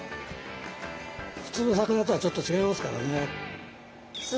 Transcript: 普通の魚とはちょっと違いますからね。